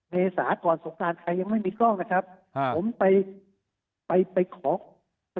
เมษาก่อนสงสารใครยังไม่มีกล้องนะครับ